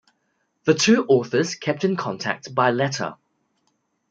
The two authors kept in contact by letter.